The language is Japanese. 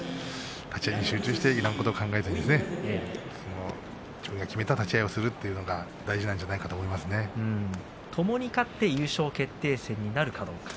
立ち合いに集中して自分が決めた立ち合いをするというのがともに勝って優勝決定戦になるかどうか。